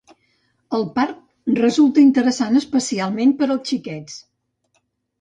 El parc resulta interessant especialment per als xiquets.